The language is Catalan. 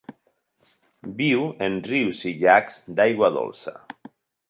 Viu en rius i llacs d'aigua dolça.